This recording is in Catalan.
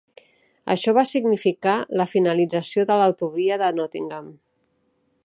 Això va significar la finalització de l'autovia de Nottingham.